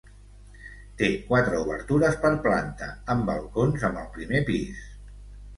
Té quatre obertures per planta, amb balcons amb el primer pis.